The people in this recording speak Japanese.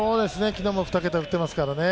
昨日も２桁打ってますからね。